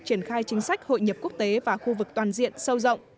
triển khai chính sách hội nhập quốc tế và khu vực toàn diện sâu rộng